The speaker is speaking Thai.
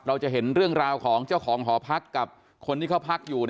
เราจะเห็นเรื่องราวของเจ้าของหอพักกับคนที่เขาพักอยู่